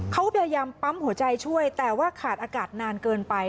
เขาพยายามปั๊มหัวใจช่วยแต่ว่าขาดอากาศนานเกินไป